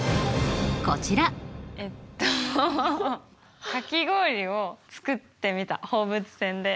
えっとかき氷を作ってみた放物線で。